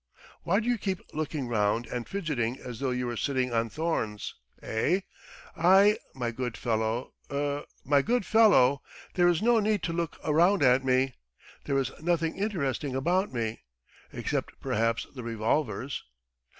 Why do you keep looking round and fidgeting as though you were sitting on thorns? eh? I, my good fellow, er ... my good fellow ... there is no need to look around at me ... there is nothing interesting about me. ... Except perhaps the revolvers.